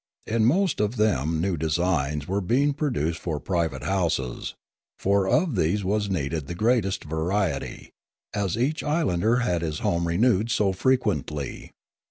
In most of them new designs were being produced for private houses; for of these was needed the greatest variety, as each islander had his home renewed so frequently.